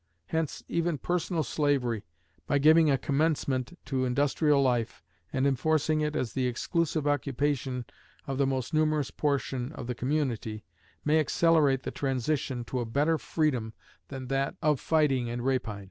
Hence even personal slavery, by giving a commencement to industrial life, and enforcing it as the exclusive occupation of the most numerous portion of the community, may accelerate the transition to a better freedom than that of fighting and rapine.